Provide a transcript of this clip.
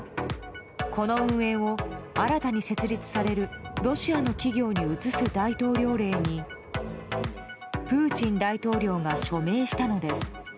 この運営を新たに設立されるロシアの企業に移す大統領令にプーチン大統領が署名したのです。